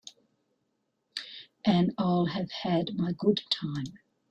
And I'll have had my good time.